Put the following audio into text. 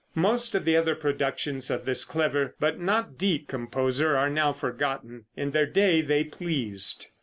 Most of the other productions of this clever, but not deep, composer, are now forgotten. In their day they pleased.